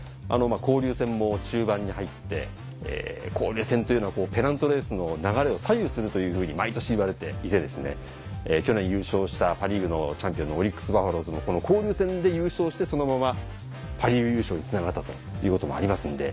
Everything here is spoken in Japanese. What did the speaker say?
交流戦も終盤に入って交流戦というのはペナントレースの流れを左右するというふうに毎年言われていてですね去年優勝したパ・リーグのチャンピンオンのオリックス・バファローズもこの交流戦で優勝してそのままパ・リーグ優勝につながったということもありますんで。